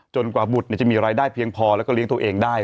กว่าบุตรจะมีรายได้เพียงพอแล้วก็เลี้ยงตัวเองได้